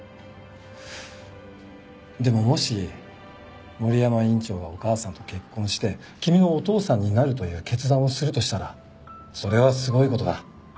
でももし森山院長がお母さんと結婚して君のお父さんになるという決断をするとしたらそれはすごい事だ。